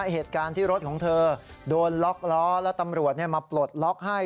เหตุการณ์ที่รถของเธอโดนล็อกล้อและตำรวจมาปลดล็อกให้